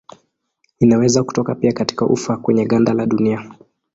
Inaweza kutoka pia katika ufa kwenye ganda la dunia.